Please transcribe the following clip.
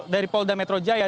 dari polda metro jaya